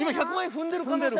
ふんでるふんでる。